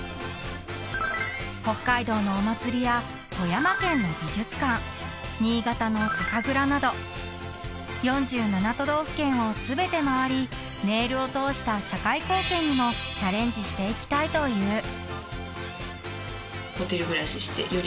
［北海道のお祭りや富山県の美術館新潟の酒蔵など４７都道府県を全て回りネイルを通した社会貢献にもチャレンジしていきたいという］